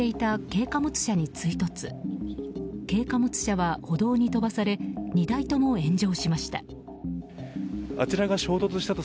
軽貨物車は歩道に飛ばされ２台とも炎上しました。